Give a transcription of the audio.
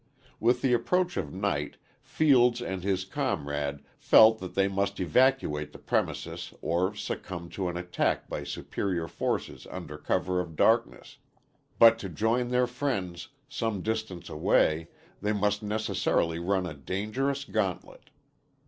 With the approach of night Fields and his comrade felt that they must evacuate the premises or succumb to an attack by superior forces under cover of darkness, but to join their friends some distance away they must necessarily run a dangerous gauntlet.